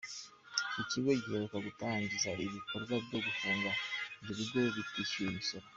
Iki kigo giheruka gutangiza ibikorwa byo gufunga ibyo bigo bitishyuye imisoro.